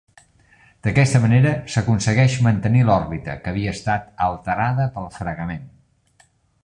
D'aquesta manera, s'aconsegueix mantenir l'òrbita, que havia estat alterada pel fregament.